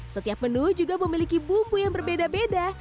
setiap menu juga memiliki bumbu yang berbeda beda